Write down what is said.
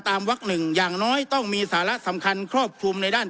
วักหนึ่งอย่างน้อยต้องมีสาระสำคัญครอบคลุมในด้าน